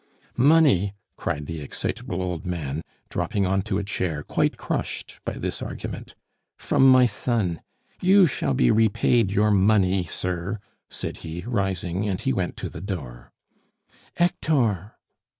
"Money!" cried the excitable old man, dropping on to a chair, quite crushed by this argument. "From my son! You shall be repaid your money, sir," said he, rising, and he went to the door. "Hector!"